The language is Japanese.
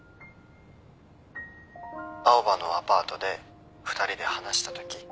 青羽のアパートで２人で話したとき。